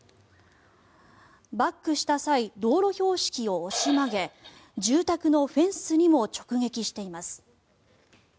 バックした際道路標識を押し曲げ住宅のフェンスにも直撃しています。